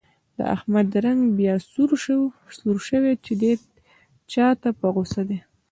د احمد رنګ بیا سور شوی، چې دی چا ته په غوسه دی.